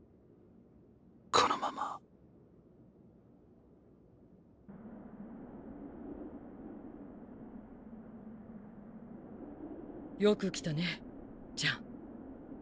このままよく来たねジャン。